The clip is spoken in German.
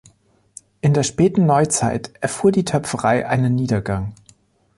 In der späten Neuzeit erfuhr die Töpferei einen Niedergang.